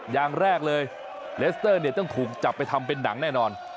อย่างแรกเลยเลสเตอร์เนี่ยต้องถูกจับไปทำเป็นหนังแน่นอน